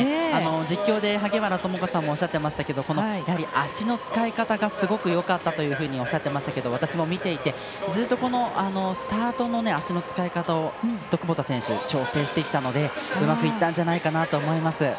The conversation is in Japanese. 実況で萩原智子さんもおっしゃってましたけど足の使い方がすごくよかったっておっしゃってましたが私も見ていてずっとスタートの足の使い方をずっと窪田選手調整してきたのでうまくいったんじゃないかなと思います。